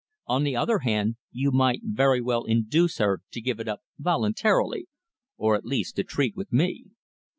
"On the other hand, you might very well induce her to give it up voluntarily, or at least to treat with me."